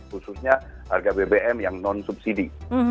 khususnya harga bbm yang non subsidi